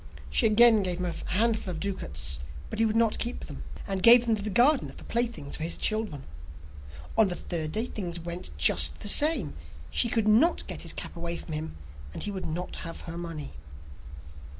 She again gave him a handful of ducats, but he would not keep them, and gave them to the gardener for playthings for his children. On the third day things went just the same; she could not get his cap away from him, and he would not have her money.